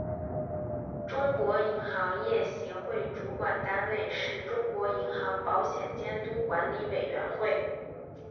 中国银行业协会主管单位是中国银行保险监督管理委员会。